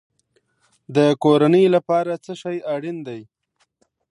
د کورنۍ لپاره څه شی اړین دی؟